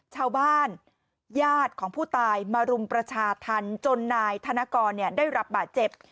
ญาติของผู้ตายมารุมประชาธรรมจนนายธนกรได้รับบาดเจ็บ